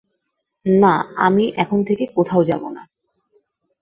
না আমি এখান থেকে কোথাও যাবো না।